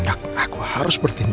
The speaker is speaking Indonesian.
aku harus berpikir aku harus berpikir